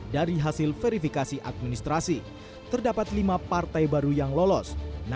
dari hasil verifikasi administrasi terdapat lima partai baru yang lolos